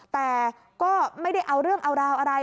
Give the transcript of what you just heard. แต่ก็ไม่ได้เอาเรื่องเอาราวอะไร